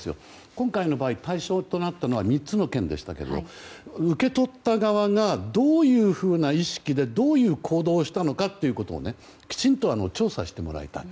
今回の場合、対象となったのは３つの県でしたけど受け取った側がどういうふうな意識でどういう行動をしたのかをきちんと調査してもらいたい。